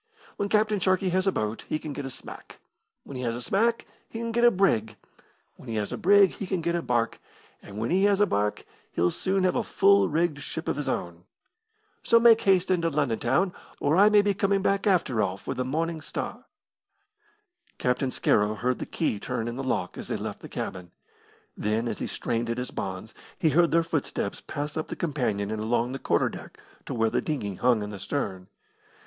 When Captain Sharkey has a boat he can get a smack, when he has a smack he can get a brig, when he has a brig he can get a barque, and when he has a barque he'll soon have a full rigged ship of his own so make haste into London town, or I may be coming back, after all, for the Morning Star." Captain Scarrow heard the key turn in the lock as they left the cabin. Then, as he strained at his bonds, he heard their footsteps pass up the companion and along the quarter deck to where the dinghy hung in the stern.